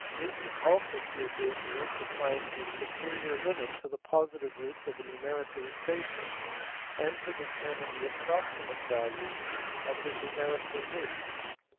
Newton also here gave rules to find a superior limit to the positive roots of a numerical equation, and to determine the approxi mate values of the numerical roots.